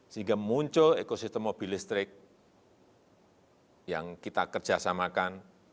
sehingga muncul ekosistem mobil listrik yang kita kerjasamakan